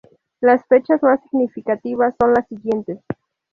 Las fechas más significativas son las siguientes.